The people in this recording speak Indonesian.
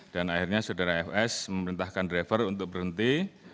dan akhirnya saudara fs memerintahkan driver untuk berhenti